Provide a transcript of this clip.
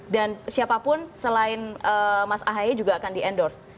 dan siapapun selain mas ahy juga akan di endorse